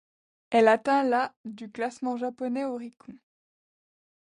Elle atteint la du classement japonais Oricon.